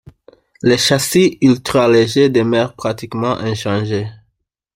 Le châssis ultra-léger, demeure pratiquement inchangé.